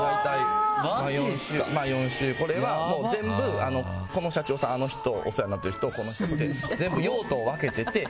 ４種、これは全部この社長さん、あの人お世話になってる人、この人で全部用途を分けてて。